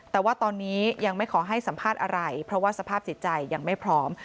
แต่ว่าตอนนี้ยังไม่ขอให้สัมภาษณ์อะไรเพราะว่าสภาพจิตใจยังไม่พร้อม